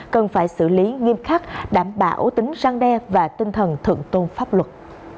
cần phải xử lý nghiêm khắc đảm bảo tính răng đe và tinh thần thượng tôn pháp luật